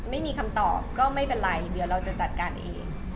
ไม่มีคำตอบก็ไม่เป็นไรเดี๋ยวเราจะจัดการเอง